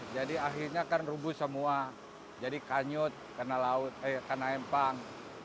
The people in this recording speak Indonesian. jadi akhirnya kan rubuh semua jadi kanyut kena laut kena empang